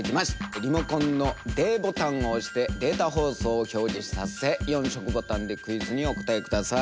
リモコンのｄボタンを押してデータ放送を表示させ４色ボタンでクイズにお答え下さい。